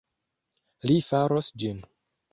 Li faros ĝin